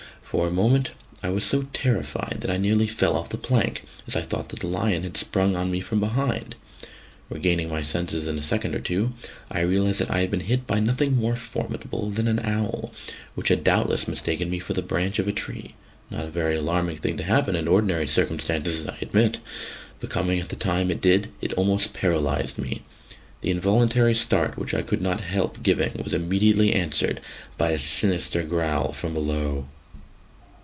For a moment I was so terrified that I nearly fell off the plank, as I thought that the lion had sprung on me from behind. Regaining my senses in a second or two, I realised that I had been hit by nothing more formidable than an owl, which had doubtless mistaken me for the branch of a tree not a very alarming thing to happen in ordinary circumstances, I admit, but coming at the time it did, it almost paralysed me. The involuntary start which I could not help giving was immediately answered by a sinister growl from below.